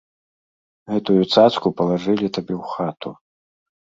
Гэтую цацку палажылі табе ў хату!